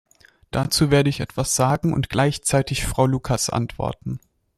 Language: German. Dazu werde ich etwas sagen und gleichzeitig Frau Lucas antworten.